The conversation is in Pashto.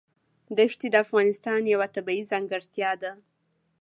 ښتې د افغانستان یوه طبیعي ځانګړتیا ده.